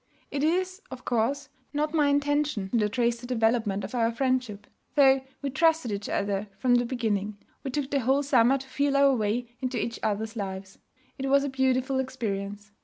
It is, of course, not my intention to trace the development of our friendship. Though we trusted each other from the beginning, we took the whole summer to feel our way into each other's lives. It was a beautiful experience.